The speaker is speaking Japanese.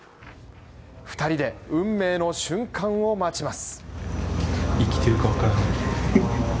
２人で運命の瞬間を待ちます。